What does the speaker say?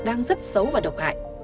đang rất xấu và độc hại